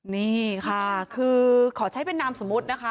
นี่ค่ะคือขอใช้เป็นนามสมมุตินะคะ